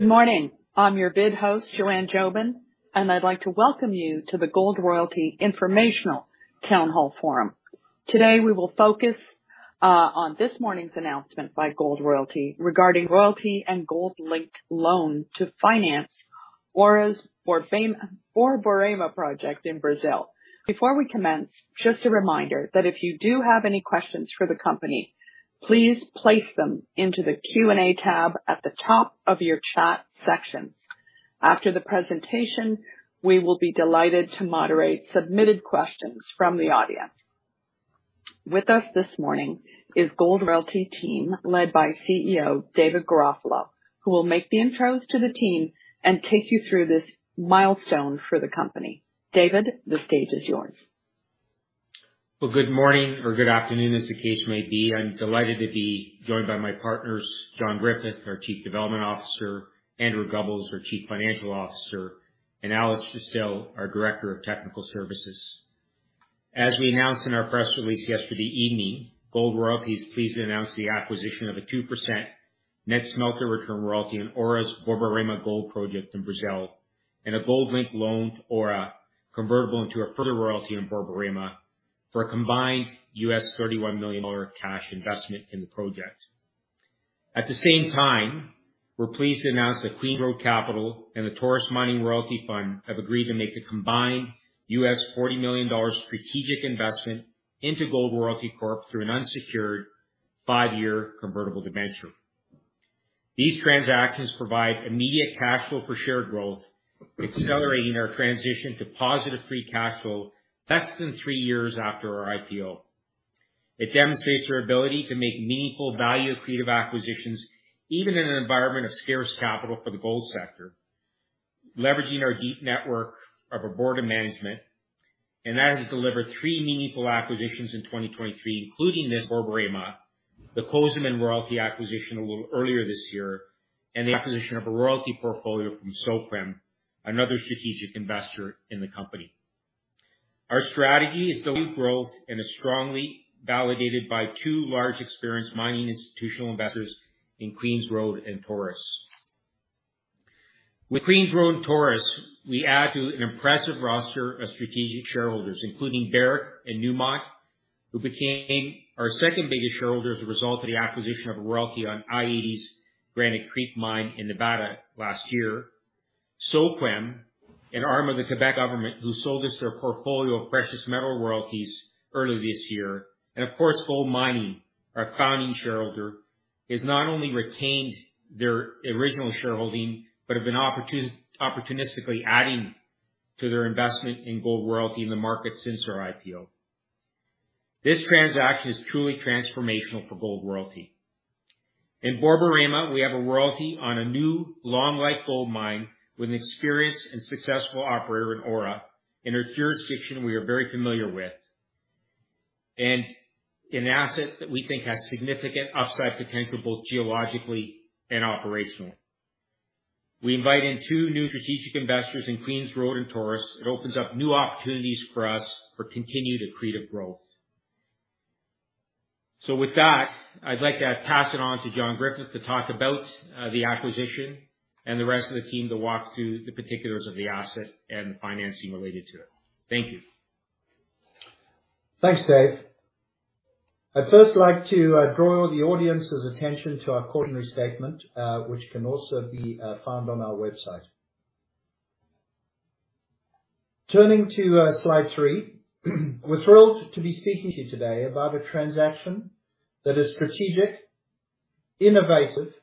Good morning! I'm your host, Joanne Jobin, and I'd like to welcome you to the Gold Royalty Informational Town Hall Forum. Today, we will focus on this morning's announcement by Gold Royalty regarding royalty and gold-linked loan to finance Aura's Borborema project in Brazil. Before we commence, just a reminder that if you do have any questions for the company, please place them into the Q&A tab at the top of your chat section. After the presentation, we will be delighted to moderate submitted questions from the audience. With us this morning is Gold Royalty team, led by CEO David Garofalo, who will make the intros to the team and take you through this milestone for the company. David, the stage is yours. Well, good morning, or good afternoon, as the case may be. I'm delighted to be joined by my partners, John Griffith, our Chief Development Officer, Andrew Gubbels, our Chief Financial Officer, and Alex Still, our Director of Technical Services. As we announced in our press release yesterday evening, Gold Royalty is pleased to announce the acquisition of a 2% net smelter return royalty on Aura's Borborema gold project in Brazil, and a gold-linked loan Aura convertible into a further royalty in Borborema for a combined $31 million cash investment in the project. At the same time, we're pleased to announce that Queens Road Capital and the Taurus Mining Royalty Fund have agreed to make a combined $40 million strategic investment into Gold Royalty Corp through an unsecured five-year convertible debenture. These transactions provide immediate cash flow per share growth, accelerating our transition to positive free cash flow less than three years after our IPO. It demonstrates our ability to make meaningful, value creative acquisitions, even in an environment of scarce capital for the gold sector, leveraging our deep network of our board and management, and that has delivered three meaningful acquisitions in 2023, including this Borborema, the Cozamin Royalty acquisition a little earlier this year, and the acquisition of a royalty portfolio from SOQUEM, another strategic investor in the company. Our strategy is steady growth and is strongly validated by two large experienced mining institutional investors in Queens Road and Taurus. With Queens Road and Taurus, we add to an impressive roster of strategic shareholders, including Barrick and Newmont, who became our second biggest shareholder as a result of the acquisition of a royalty on i-80's Granite Creek mine in Nevada last year. SOQUEM, an arm of the Quebec government, who sold us their portfolio of precious metal royalties early this year. And of course, GoldMining, our founding shareholder, has not only retained their original shareholding, but have been opportunistically adding to their investment in Gold Royalty in the market since our IPO. This transaction is truly transformational for Gold Royalty. In Borborema, we have a royalty on a new long-life gold mine with an experienced and successful operator in Aura, in a jurisdiction we are very familiar with, and an asset that we think has significant upside potential, both geologically and operationally. We invite in two new strategic investors in Queens Road and Taurus. It opens up new opportunities for us for continued accretive growth. So with that, I'd like to pass it on to John Griffith to talk about the acquisition and the rest of the team to walk through the particulars of the asset and the financing related to it. Thank you. Thanks, Dave. I'd first like to draw the audience's attention to our cautionary statement, which can also be found on our website. Turning to slide 3, we're thrilled to be speaking to you today about a transaction that is strategic, innovative,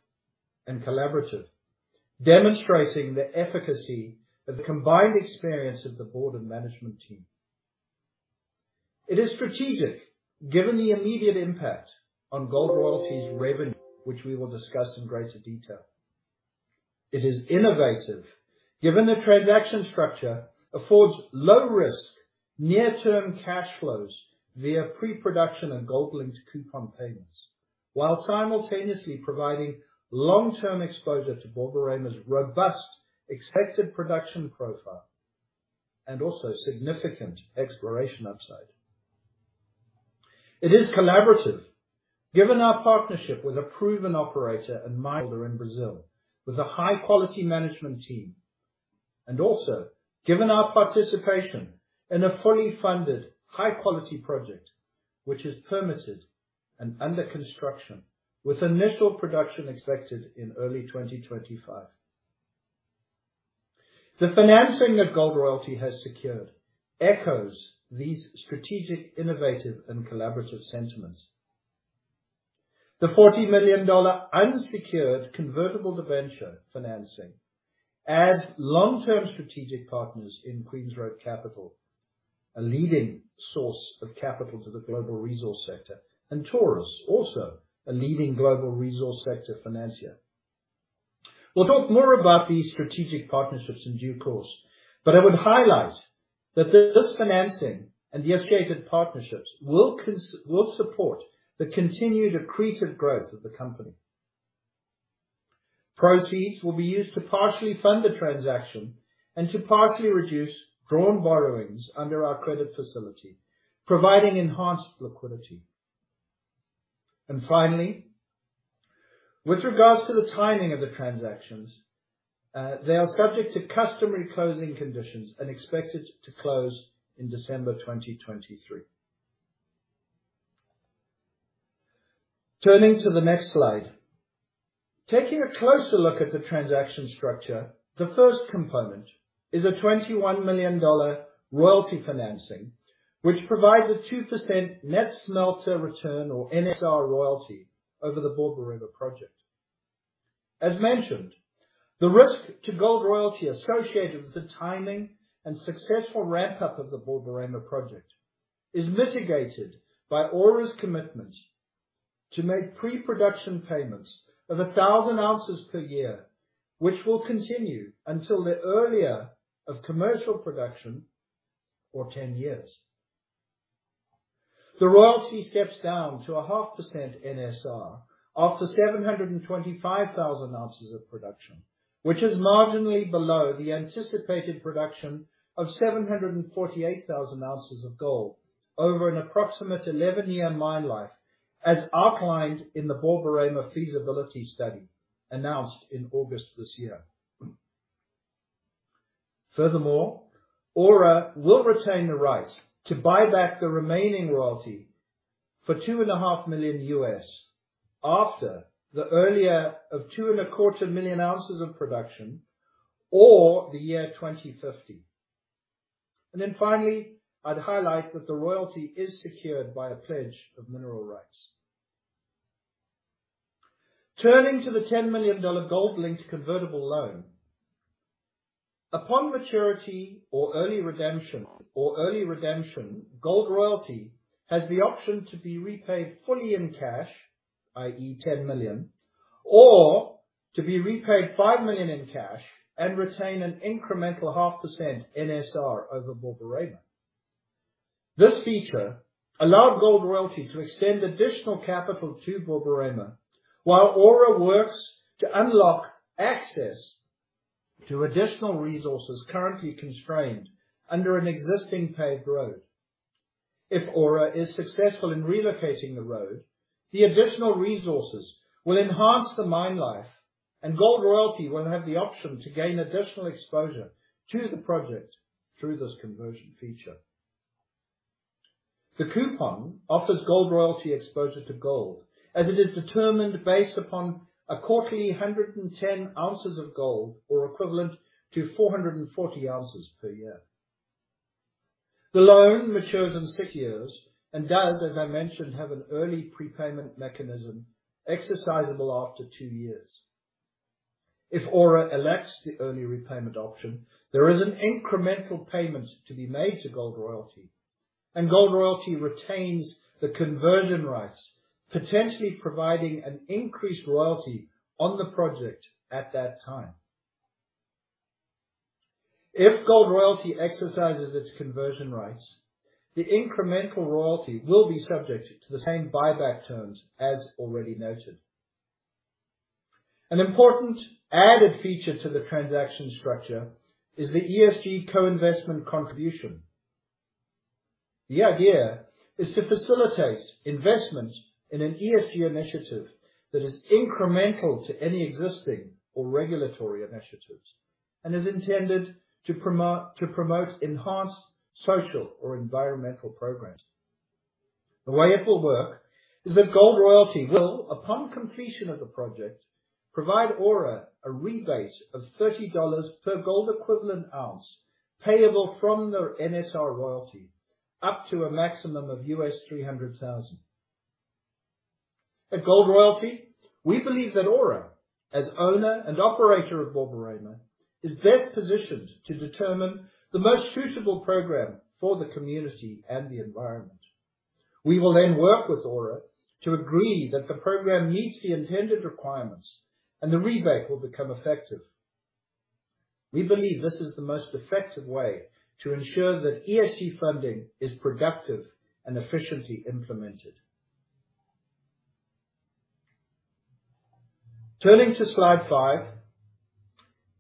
and collaborative, demonstrating the efficacy of the combined experience of the board and management team. It is strategic, given the immediate impact on Gold Royalty's revenue, which we will discuss in greater detail. It is innovative, given the transaction structure affords low risk, near-term cash flows via pre-production and gold linked coupon payments, while simultaneously providing long-term exposure to Borborema's robust expected production profile and also significant exploration upside. It is collaborative, given our partnership with a proven operator and miner in Brazil, with a high-quality management team, and also given our participation in a fully funded, high-quality project, which is permitted and under construction, with initial production expected in early 2025. The financing that Gold Royalty has secured echoes these strategic, innovative and collaborative sentiments. The $40 million unsecured convertible debenture financing as long-term strategic partners in Queens Road Capital, a leading source of capital to the global resource sector, and Taurus, also a leading global resource sector financier. We'll talk more about these strategic partnerships in due course, but I would highlight that this financing and the associated partnerships will support the continued accretive growth of the company. Proceeds will be used to partially fund the transaction and to partially reduce drawn borrowings under our credit facility, providing enhanced liquidity. And finally, with regards to the timing of the transactions, they are subject to customary closing conditions and expected to close in December 2023. Turning to the next slide. Taking a closer look at the transaction structure, the first component is a $21 million royalty financing, which provides a 2% net smelter return, or NSR royalty, over the Borborema project. As mentioned, the risk to Gold Royalty associated with the timing and successful ramp-up of the Borborema project, is mitigated by Aura's commitment to make pre-production payments of 1,000 ounces per year, which will continue until the earlier of commercial production or 10 years. The royalty steps down to a 0.5% NSR, after 725,000 ounces of production, which is marginally below the anticipated production of 748,000 ounces of gold over an approximate 11-year mine life, as outlined in the Borborema feasibility study announced in August this year. Furthermore, Aura will retain the right to buy back the remaining royalty for $2.5 million after the earlier of 2.25 million ounces of production or the year 2050. Then finally, I'd highlight that the royalty is secured by a pledge of mineral rights. Turning to the $10 million gold-linked convertible loan. Upon maturity or early redemption, Gold Royalty has the option to be repaid fully in cash, i.e., $10 million, or to be repaid $5 million in cash and retain an incremental 0.5% NSR over Borborema. This feature allowed Gold Royalty to extend additional capital to Borborema, while Aura works to unlock access to additional resources currently constrained under an existing paved road. If Aura is successful in relocating the road, the additional resources will enhance the mine life, and Gold Royalty will have the option to gain additional exposure to the project through this conversion feature. The coupon offers Gold Royalty exposure to gold, as it is determined based upon a quarterly 110 ounces of gold or equivalent to 440 ounces per year. The loan matures in six years and does, as I mentioned, have an early prepayment mechanism exercisable after two years. If Aura elects the early repayment option, there is an incremental payment to be made to Gold Royalty, and Gold Royalty retains the conversion rights, potentially providing an increased royalty on the project at that time. If Gold Royalty exercises its conversion rights, the incremental royalty will be subject to the same buyback terms as already noted. An important added feature to the transaction structure is the ESG co-investment contribution. The idea is to facilitate investment in an ESG initiative that is incremental to any existing or regulatory initiatives, and is intended to promote enhanced social or environmental programs. The way it will work is that Gold Royalty will, upon completion of the project, provide Aura a rebate of $30 per gold equivalent ounce, payable from their NSR royalty, up to a maximum of $300,000. At Gold Royalty, we believe that Aura, as owner and operator of Borborema, is best positioned to determine the most suitable program for the community and the environment. We will then work with Aura to agree that the program meets the intended requirements, and the rebate will become effective. We believe this is the most effective way to ensure that ESG funding is productive and efficiently implemented. Turning to slide 5.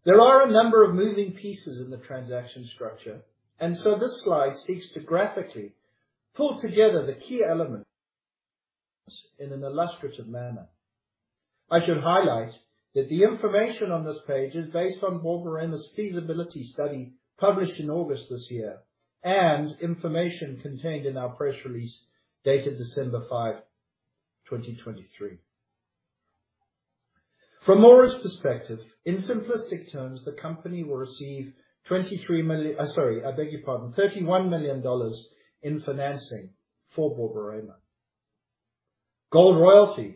There are a number of moving pieces in the transaction structure, and so this slide seeks to graphically pull together the key elements in an illustrative manner. I should highlight that the information on this page is based on Borborema's feasibility study, published in August this year, and information contained in our press release dated December 5, 2023. From Aura's perspective, in simplistic terms, the company will receive twenty-three million... sorry, I beg your pardon, $31 million in financing for Borborema. Gold Royalty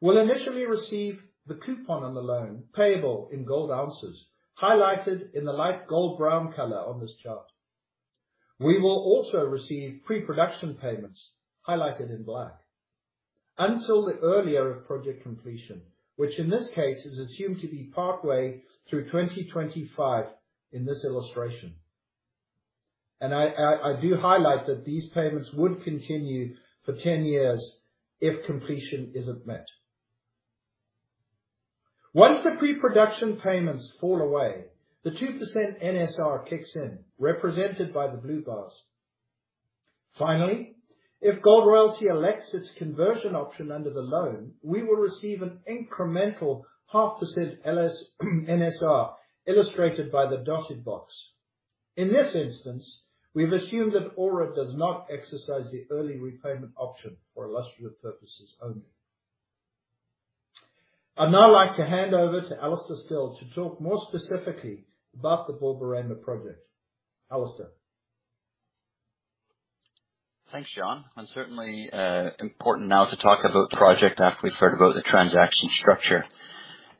will initially receive the coupon on the loan, payable in gold ounces, highlighted in the light gold-brown color on this chart. We will also receive pre-production payments, highlighted in black, until the earlier of project completion, which in this case is assumed to be partway through 2025 in this illustration. And I do highlight that these payments would continue for 10 years if completion isn't met.... Once the pre-production payments fall away, the 2% NSR kicks in, represented by the blue bars. Finally, if Gold Royalty elects its conversion option under the loan, we will receive an incremental 0.5% NSR, illustrated by the dotted box. In this instance, we've assumed that Aura does not exercise the early repayment option for illustrative purposes only. I'd now like to hand over to Alastair Still to talk more specifically about the Borborema project. Alastair? Thanks, John, and certainly important now to talk about project after we've heard about the transaction structure.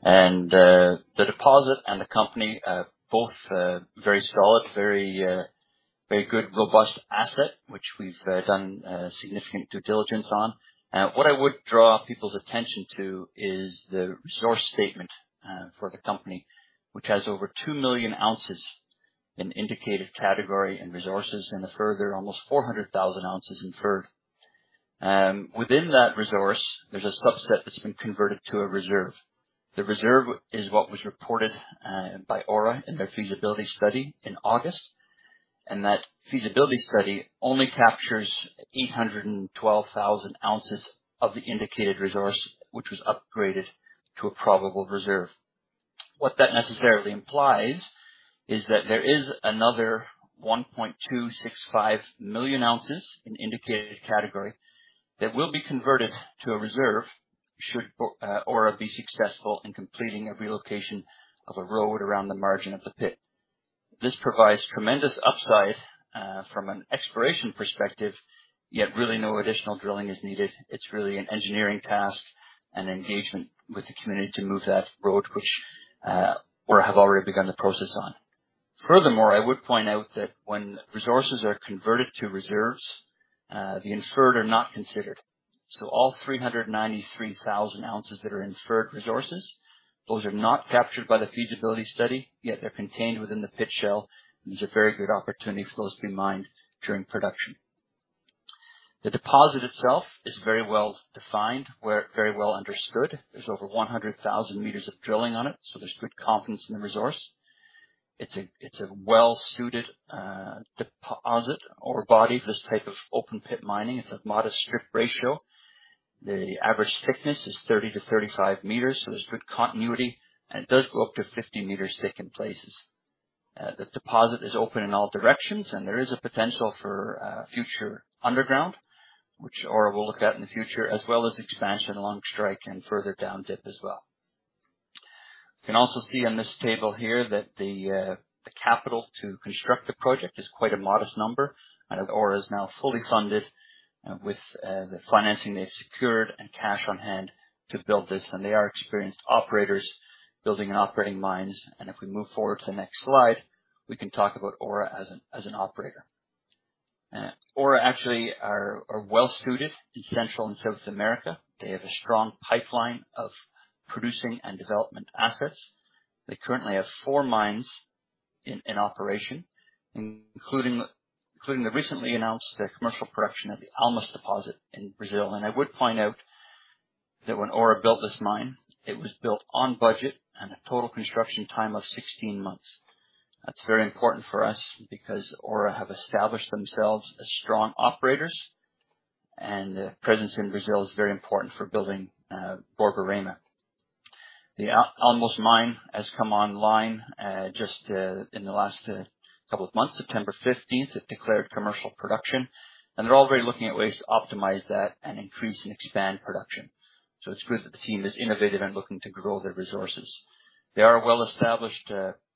The deposit and the company are both very solid, very very good, robust asset, which we've done significant due diligence on. What I would draw people's attention to is the resource statement for the company, which has over two million ounces in indicated category and resources, and a further almost 400,000 ounces inferred. Within that resource, there's a subset that's been converted to a reserve. The reserve is what was reported by Aura in their feasibility study in August, and that feasibility study only captures 812,000 ounces of the indicated resource, which was upgraded to a probable reserve. What that necessarily implies is that there is another 1.265 million ounces in indicated category that will be converted to a reserve should Borborema, Aura be successful in completing a relocation of a road around the margin of the pit. This provides tremendous upside, from an exploration perspective, yet really no additional drilling is needed. It's really an engineering task and engagement with the community to move that road, which, Aura have already begun the process on. Furthermore, I would point out that when resources are converted to reserves, the inferred are not considered. So all 393,000 ounces that are inferred resources, those are not captured by the feasibility study, yet they're contained within the pit shell, and there's a very good opportunity for those to be mined during production. The deposit itself is very well defined, very well understood. There's over 100,000 meters of drilling on it, so there's good confidence in the resource. It's a, it's a well-suited deposit or body for this type of open pit mining. It's a modest strip ratio. The average thickness is 30-35 meters, so there's good continuity, and it does go up to 50 meters thick in places. The deposit is open in all directions, and there is a potential for future underground, which Aura will look at in the future, as well as expansion along strike and further down dip as well. You can also see on this table here that the capital to construct the project is quite a modest number, and Aura is now fully funded with the financing they've secured and cash on hand to build this. And they are experienced operators building and operating mines. And if we move forward to the next slide, we can talk about Aura as an operator. Aura actually are well-suited in Central and South America. They have a strong pipeline of producing and development assets. They currently have four mines in operation, including the recently announced commercial production at the Almas deposit in Brazil. And I would point out that when Aura built this mine, it was built on budget and a total construction time of 16 months. That's very important for us because Aura have established themselves as strong operators, and their presence in Brazil is very important for building Borborema. The Almas mine has come online just in the last couple of months. September fifteenth, it declared commercial production, and they're already looking at ways to optimize that and increase and expand production. So it's clear that the team is innovative and looking to grow their resources. They are a well-established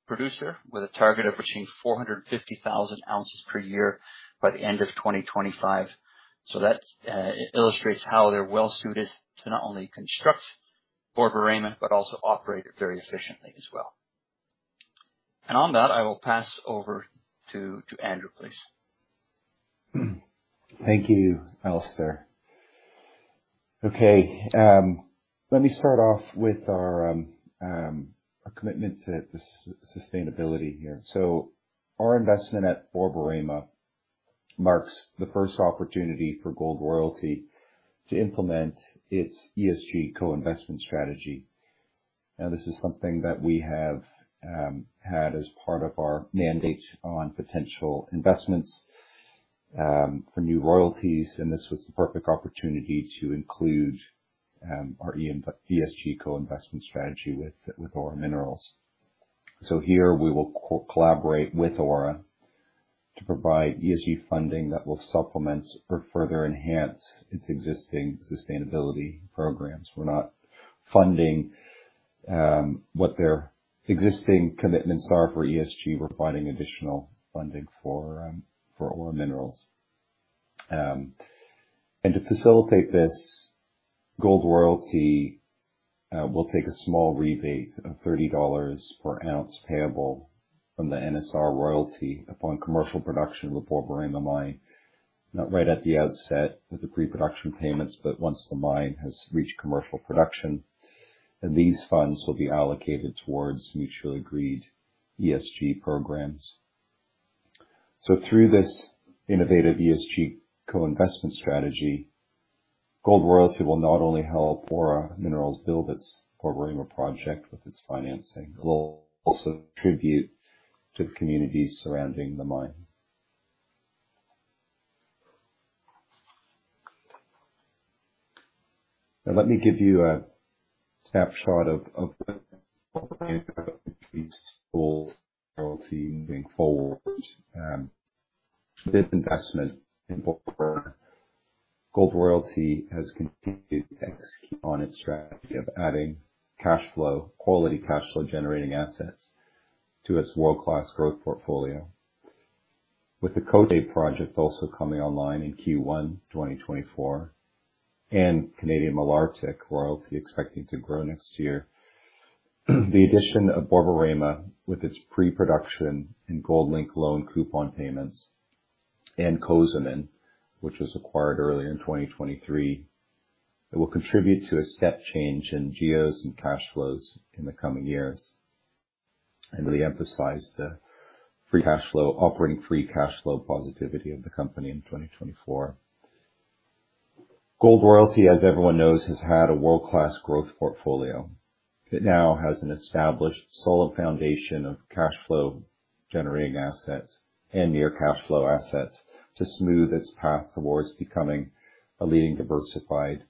producer, with a target of between 450,000 ounces per year by the end of 2025. So that illustrates how they're well suited to not only construct Borborema, but also operate it very efficiently as well. And on that, I will pass over to Andrew, please. Thank you, Alastair. Okay, let me start off with our commitment to sustainability here. So our investment at Borborema marks the first opportunity for Gold Royalty to implement its ESG co-investment strategy. Now, this is something that we have had as part of our mandate on potential investments for new royalties, and this was the perfect opportunity to include our ESG co-investment strategy with Aura Minerals. So here, we will collaborate with Aura to provide ESG funding that will supplement or further enhance its existing sustainability programs. We're not funding what their existing commitments are for ESG. We're providing additional funding for Aura Minerals. And to facilitate this, Gold Royalty will take a small rebate of $30 per ounce, payable from the NSR royalty upon commercial production of the Borborema mine. Not right at the outset of the pre-production payments, but once the mine has reached commercial production, and these funds will be allocated towards mutually agreed ESG programs. So through this innovative ESG co-investment strategy, Gold Royalty will not only help Aura Minerals build its Borborema project with its financing, it will also contribute to the communities surrounding the mine. Now, let me give you a snapshot of the Gold Royalty moving forward. With this investment in Borborema, Gold Royalty has continued to execute on its strategy of adding cash flow, quality cash flow-generating assets to its world-class growth portfolio. With the Côté project also coming online in Q1 2024, and Canadian Malartic royalty expecting to grow next year, the addition of Borborema, with its pre-production and gold-linked loan coupon payments, and Cozamin, which was acquired earlier in 2023, it will contribute to a step change in GEOs and cash flows in the coming years, and really emphasize the free cash flow, operating free cash flow positivity of the company in 2024. Gold Royalty, as everyone knows, has had a world-class growth portfolio. It now has an established solid foundation of cash flow-generating assets and near cash flow assets to smooth its path towards becoming a leading diversified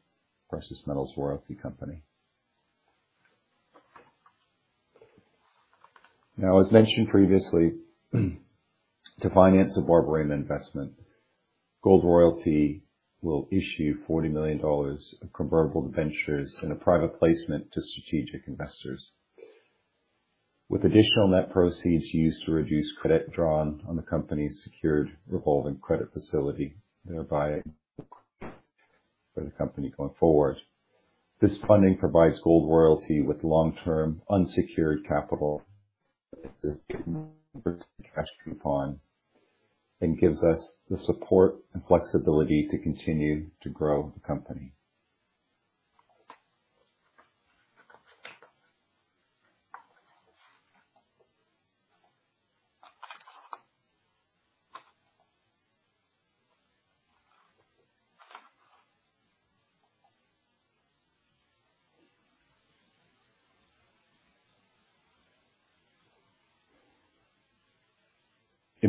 precious metals royalty company. Now, as mentioned previously, to finance the Borborema investment, Gold Royalty will issue $40 million of convertible debentures in a private placement to strategic investors, with additional net proceeds used to reduce credit drawn on the company's secured revolving credit facility, thereby for the company going forward. This funding provides Gold Royalty with long-term unsecured capital, and gives us the support and flexibility to continue to grow the company.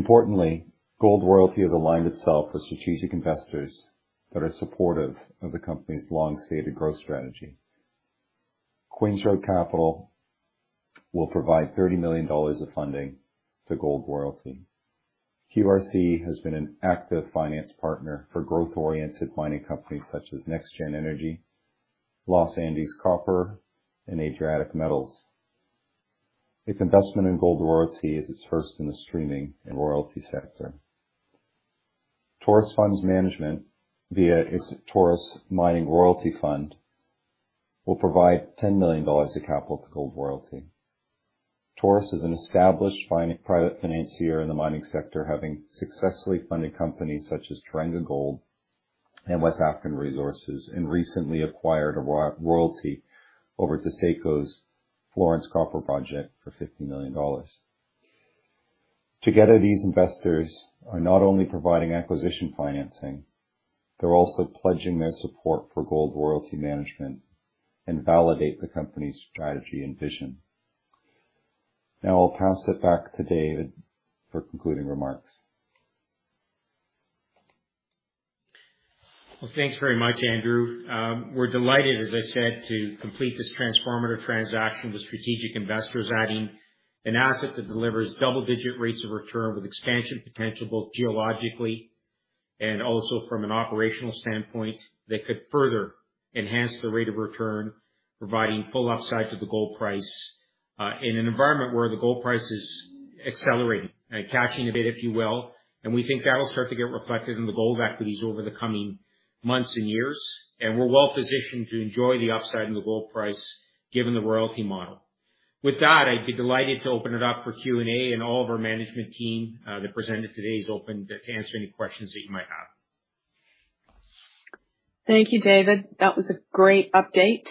Importantly, Gold Royalty has aligned itself with strategic investors that are supportive of the company's long-stated growth strategy. Queens Road Capital will provide $30 million of funding to Gold Royalty. QRC has been an active finance partner for growth-oriented mining companies such as NexGen Energy, Los Andes Copper, and Adriatic Metals. Its investment in Gold Royalty is its first in the streaming and royalty sector. Taurus Funds Management, via its Taurus Mining Royalty Fund, will provide $10 million of capital to Gold Royalty. Taurus is an established private financier in the mining sector, having successfully funded companies such as Terenga Gold and West African Resources, and recently acquired a royalty over to Taseko's Florence Copper Project for $50 million. Together, these investors are not only providing acquisition financing, they're also pledging their support for Gold Royalty management and validate the company's strategy and vision. Now I'll pass it back to David for concluding remarks. Well, thanks very much, Andrew. We're delighted, as I said, to complete this transformative transaction with strategic investors, adding an asset that delivers double-digit rates of return with expansion potential, both geologically and also from an operational standpoint, that could further enhance the rate of return, providing full upside to the gold price, in an environment where the gold price is accelerating and catching a bid, if you will. We think that'll start to get reflected in the gold equities over the coming months and years. We're well positioned to enjoy the upside in the gold price, given the royalty model. With that, I'd be delighted to open it up for Q&A, and all of our management team that presented today is open to answer any questions that you might have. Thank you, David. That was a great update.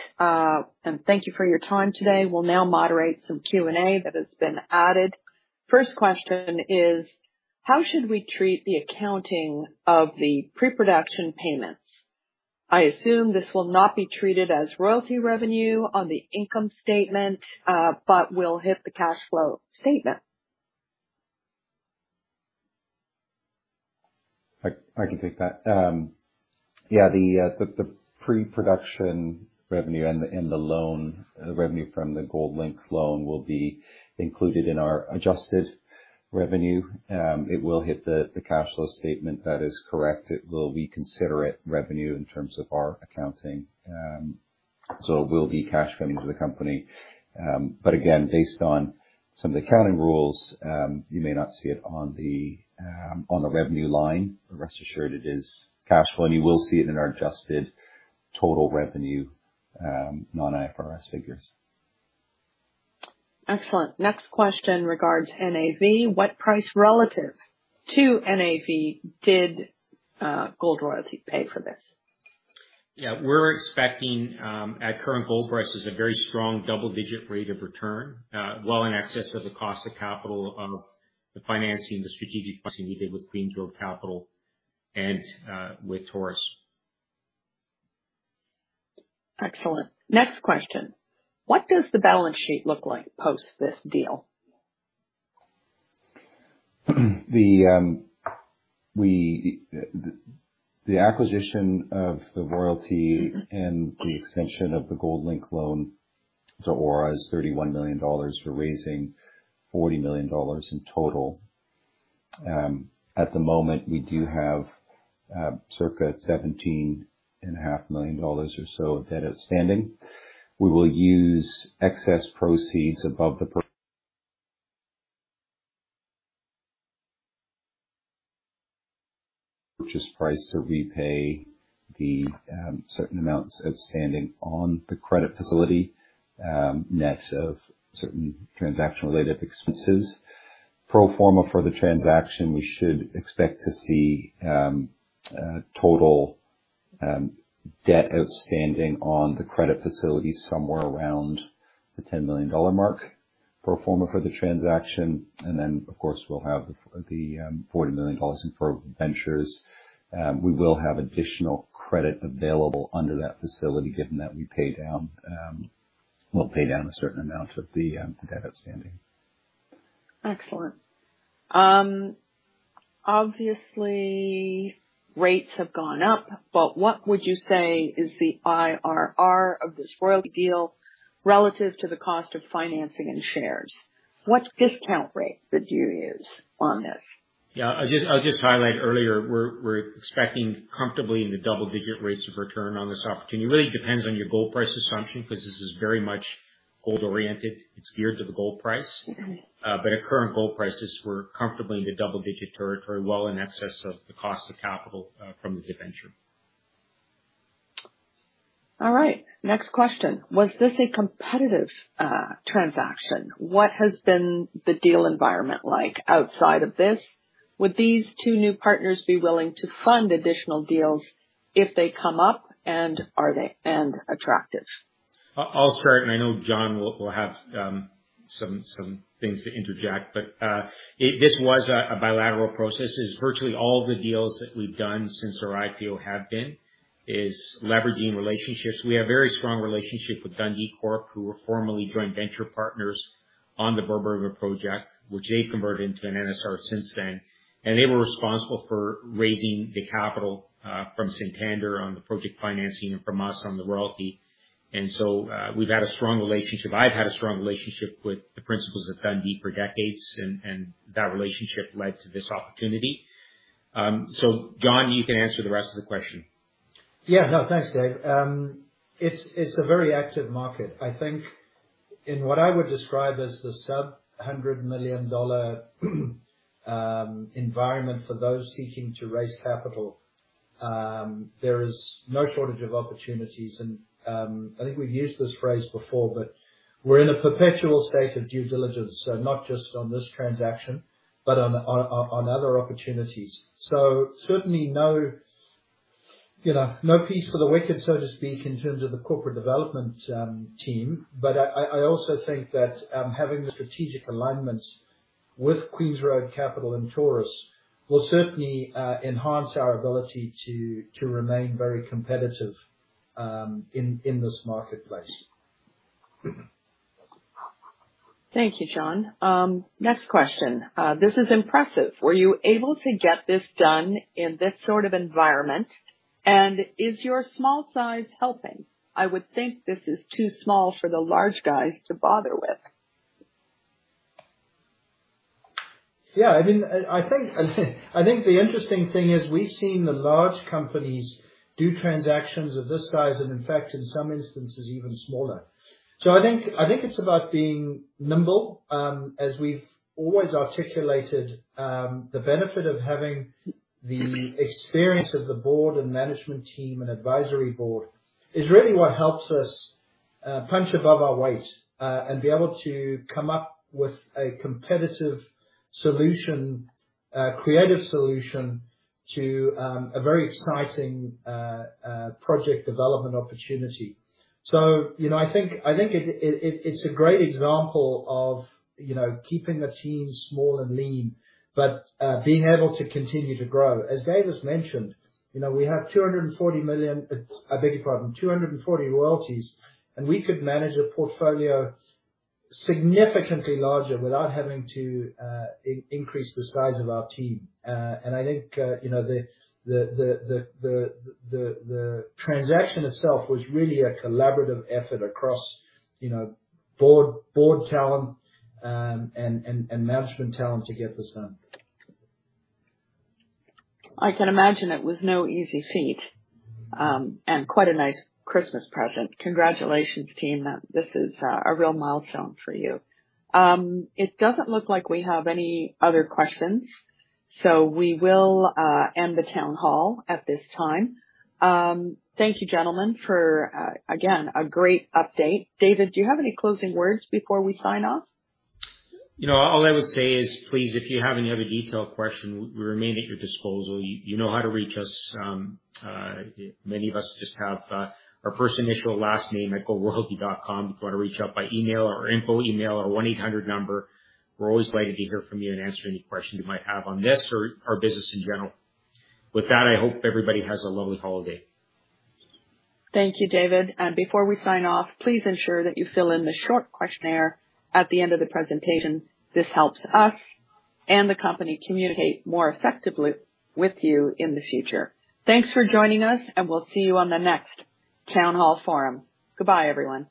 Thank you for your time today. We'll now moderate some Q&A that has been added. First question is: How should we treat the accounting of the pre-production payments? I assume this will not be treated as royalty revenue on the income statement, but will hit the cash flow statement. I can take that. The pre-production revenue and the loan, the revenue from the gold-linked loan will be included in our adjusted revenue. It will hit the cash flow statement. That is correct. It will be considered revenue in terms of our accounting. So it will be cash coming to the company. But again, based on some of the accounting rules, you may not see it on the revenue line. Rest assured, it is cash flow, and you will see it in our adjusted total revenue, non-IFRS figures. Excellent. Next question regards NAV. What price relative to NAV did Gold Royalty pay for this?... Yeah, we're expecting, at current gold prices, a very strong double-digit rate of return, well in excess of the cost of capital of the financing, the strategic pricing we did with Queens Road Capital and, with Taurus. Excellent. Next question: What does the balance sheet look like post this deal? The acquisition of the royalty and the extension of the Gold-Linked Loan to Aura is $31 million. We're raising $40 million in total. At the moment, we do have circa $17.5 million or so of debt outstanding. We will use excess proceeds above the purchase price to repay the certain amounts outstanding on the credit facility, net of certain transaction-related expenses. Pro forma for the transaction, we should expect to see total debt outstanding on the credit facility somewhere around the $10 million mark. Pro forma for the transaction, and then, of course, we'll have the $40 million in convertibles. We will have additional credit available under that facility, given that we paid down, we'll pay down a certain amount of the debt outstanding. Excellent. Obviously, rates have gone up, but what would you say is the IRR of this royalty deal relative to the cost of financing and shares? What discount rate did you use on this? Yeah, I'll just highlight earlier, we're expecting comfortably in the double-digit rates of return on this opportunity. It really depends on your gold price assumption, because this is very much gold oriented. It's geared to the gold price. Mm-hmm. But at current gold prices, we're comfortably in the double-digit territory, well in excess of the cost of capital from the debenture. All right, next question: Was this a competitive transaction? What has been the deal environment like outside of this? Would these two new partners be willing to fund additional deals if they come up, and are they attractive? I'll start, and I know John will have some things to interject, but this was a bilateral process. As virtually all of the deals that we've done since our IPO have been, is leveraging relationships. We have a very strong relationship with Dundee Corporation, who were formerly joint venture partners on the Borborema project, which they converted into an NSR since then. And they were responsible for raising the capital from Santander on the project financing and from us on the royalty. And so we've had a strong relationship. I've had a strong relationship with the principals at Dundee Corporation for decades, and that relationship led to this opportunity. So John, you can answer the rest of the question. Yeah. No, thanks, Dave. It's a very active market. I think in what I would describe as the sub-$100 million environment for those seeking to raise capital, there is no shortage of opportunities. And I think we've used this phrase before, but we're in a perpetual state of due diligence, so not just on this transaction, but on other opportunities. So certainly no, you know, no peace for the wicked, so to speak, in terms of the corporate development team. But I also think that having the strategic alignments with Queens Road Capital and Taurus will certainly enhance our ability to remain very competitive in this marketplace. Thank you, John. Next question. This is impressive. Were you able to get this done in this sort of environment? And is your small size helping? I would think this is too small for the large guys to bother with. Yeah, I mean, I think the interesting thing is we've seen the large companies do transactions of this size and in fact, in some instances, even smaller. So I think it's about being nimble. As we've always articulated, the benefit of having the experience of the board and management team and advisory board is really what helps us punch above our weight and be able to come up with a competitive solution, creative solution, to a very exciting project development opportunity. So, you know, I think it's a great example of, you know, keeping the team small and lean, but being able to continue to grow. As David mentioned, you know, we have 240 million, I beg your pardon, 240 royalties, and we could manage a portfolio significantly larger without having to increase the size of our team. And I think, you know, the transaction itself was really a collaborative effort across, you know, board talent, and management talent to get this done. I can imagine it was no easy feat, and quite a nice Christmas present. Congratulations, team. This is a real milestone for you. It doesn't look like we have any other questions, so we will end the town hall at this time. Thank you, gentlemen, for again a great update. David, do you have any closing words before we sign off? You know, all I would say is, please, if you have any other detailed question, we remain at your disposal. You, you know how to reach us. Many of us just have our first initial, last name, @goldroyalty.com. If you want to reach out by email or info email or 1-800 number, we're always glad to hear from you and answer any questions you might have on this or our business in general. With that, I hope everybody has a lovely holiday. Thank you, David. Before we sign off, please ensure that you fill in the short questionnaire at the end of the presentation. This helps us and the company communicate more effectively with you in the future. Thanks for joining us, and we'll see you on the next town hall forum. Goodbye, everyone.